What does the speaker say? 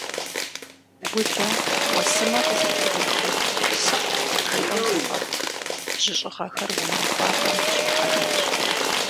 Улэ, уэсымэ къызыкӏэрихыу, «сыкъ» жиӏэу зэфӏэт жьыщӏыгъэхэр унэ хуабэм къыщӏихьэжащ.